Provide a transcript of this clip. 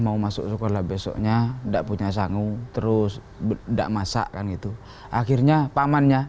mau masuk sekolah besoknya enggak punya sangu terus enggak masak kan gitu akhirnya pamannya